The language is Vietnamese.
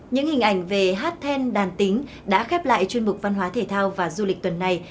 những hình ảnh về hát then đàn tính đã khép lại chuyên mục văn hóa thể thao và du lịch tuần này